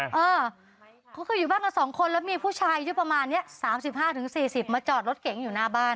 เออเขาเคยอยู่บ้านกัน๒คนแล้วมีผู้ชายอายุประมาณนี้๓๕๔๐มาจอดรถเก๋งอยู่หน้าบ้าน